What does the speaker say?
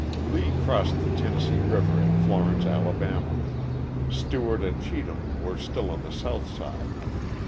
Lee crossed the Tennessee river at Florence, Ala. Stewart and Cheatham were still oa the south side.